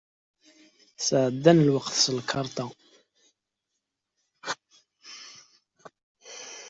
Sεeddan lweqt s lkarṭa.